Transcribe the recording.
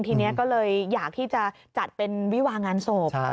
ทีนี้ก็เลยอยากที่จะจัดเป็นวิวางานศพ